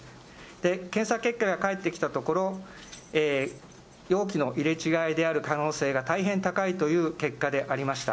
検査結果が返ってきたところ、容器の入れ違いである可能性が大変高いという結果でありました。